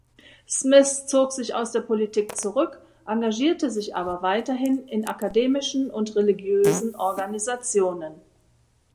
Smith zog sich aus der Politik zurück, engagierte sich aber weiterhin in akademischen und religiösen Organisationen.